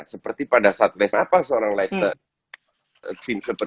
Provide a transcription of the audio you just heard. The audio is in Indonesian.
seperti pada saat kenapa seorang leicester